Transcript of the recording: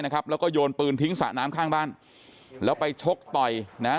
แล้วก็โยนปืนทิ้งสระน้ำข้างบ้านแล้วไปชกต่อยนะ